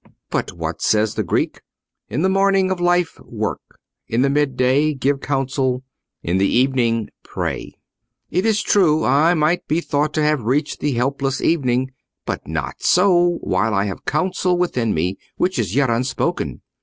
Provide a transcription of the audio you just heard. But what says the Greek? 'In the morning of life, work; in the mid day, give counsel; in the evening, pray.' It is true, I might be thought to have reached that helpless evening; but not so, while I have counsel within me which is yet unspoken.